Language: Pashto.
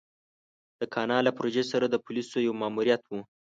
د کانال له پروژې سره د پوليسو يو ماموريت و.